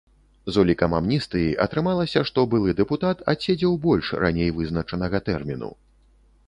З улікам амністыі атрымалася, што былы дэпутат адседзеў больш раней вызначанага тэрміну.